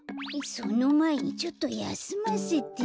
そのまえにちょっとやすませて。